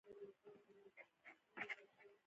د صنعت لپاره کرنیزو سرچینو ځانګړي کولو په موخه و.